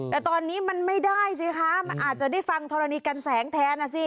แต่ตอนนี้มันไม่ได้สิคะมันอาจจะได้ฟังธรณีกันแสงแทนอ่ะสิ